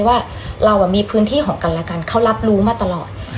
ว่าเรามีพื้นที่ของกันและกันเขารับรู้มาตลอด